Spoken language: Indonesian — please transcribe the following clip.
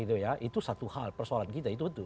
itu ya itu satu hal persoalan kita itu betul